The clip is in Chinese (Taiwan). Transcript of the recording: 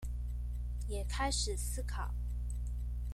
也開始思考